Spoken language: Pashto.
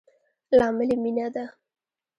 لامل يي مينه ده